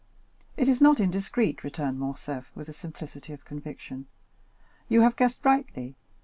"It is not indiscreet," returned Morcerf, with the simplicity of conviction. "You have guessed rightly.